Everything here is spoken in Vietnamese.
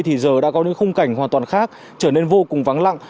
thì giờ đã có những khung cảnh hoàn toàn khác trở nên vô cùng vắng lặng